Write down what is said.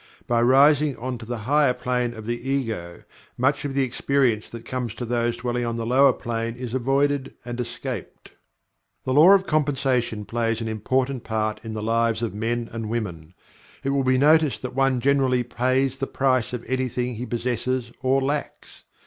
By rising on to the higher plane of the Ego, much of the experience that comes to those dwelling on the lower plane is avoided and escaped. The Law of Compensation plays an important part in the lives of men and women. It will be noticed that one generally "pays the price" of anything he possesses or lacks.